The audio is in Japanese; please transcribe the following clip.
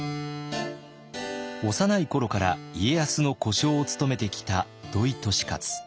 幼い頃から家康の小姓を務めてきた土井利勝。